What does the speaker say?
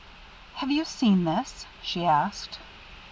"Have you seen this?" she asked.